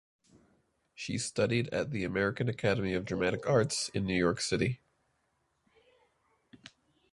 She studied at the American Academy of Dramatic Arts in New York City.